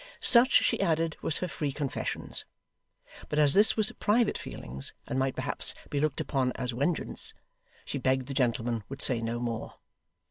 Such, she added, was her free confessions. But as this was private feelings, and might perhaps be looked upon as wengeance, she begged the gentleman would say no more.